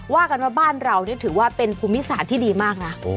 ว่ากันว่าบ้านเรานี่ถือว่าเป็นภูมิศาสตร์ที่ดีมากนะ